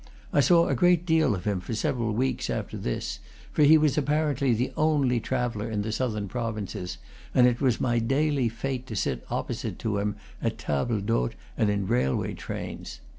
I saw a great deal of him for several weeks after this; for he was apparently the only traveller in the southern provinces, and it was my daily fate to sit opposite to him at tables d'hote and in railway trains.